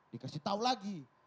dikasih tau lagi